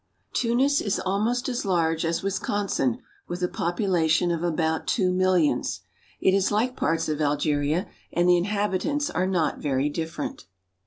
Tunis is almost as large as Wisconsin, with a population of about two millions. It is like parts of Algeria, and the inhabitants are not very different.